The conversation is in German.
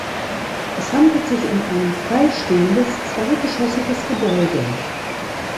Es handelt sich um ein freistehendes zweigeschossiges Gebäude.